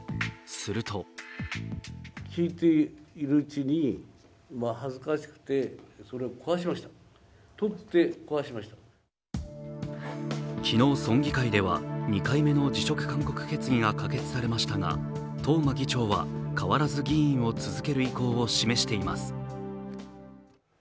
すると昨日、村議会では、２回目の辞職勧告決議が可決されましたが東間議長は変わらず議員を続ける意向を示しています。